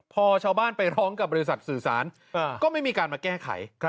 พอชาวบ้านไปร้องกับบริษัทสื่อสารก็ไม่มีการมาแก้ไข